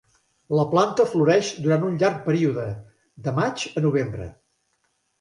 La planta floreix durant un llarg període, de maig a novembre.